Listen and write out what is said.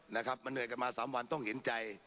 นะครับมันเหนื่อยกันมาสามวันต้องเห็นใจ